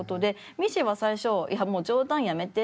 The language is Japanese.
ミッシーは最初「いやもう冗談やめて」って。